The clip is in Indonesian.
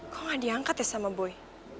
kok gak diangkat ya sama boy